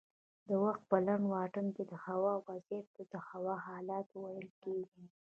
د وخت په لنډ واټن کې دهوا وضعیت ته د هوا حالت ویل کېږي